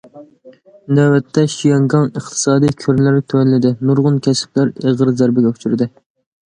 نۆۋەتتە شياڭگاڭ ئىقتىسادى كۆرۈنەرلىك تۆۋەنلىدى، نۇرغۇن كەسىپلەر ئېغىر زەربىگە ئۇچرىدى.